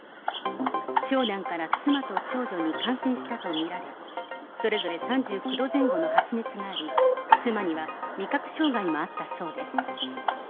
長男から妻と長女に感染したと見られ、それぞれ３９度前後の発熱があり、妻には味覚障害もあったそうです。